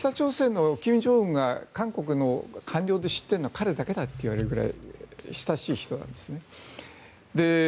北朝鮮の金正恩が韓国の官僚で知っているのは彼だけだといわれるくらい親しい人なんですね。